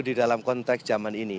di dalam konteks zaman ini